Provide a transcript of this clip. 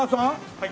はい。